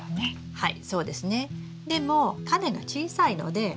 はい。